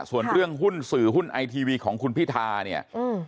ส่วนเรื่องหุ้นสื่อหุ้นไอทีวีของคุณพิธาเนี่ยอืม